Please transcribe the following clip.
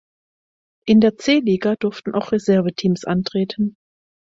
In der C-Liga durften auch Reserve-Teams antreten.